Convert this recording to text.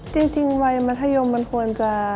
จริงวัยมัธยมมันควรจะ